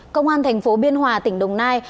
công an thành phố biên hòa tỉnh đồng nai